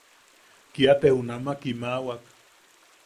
Kia te junama kimawak.